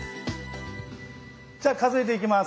じゃあ数えていきます。